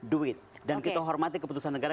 do it dan kita hormati keputusan negara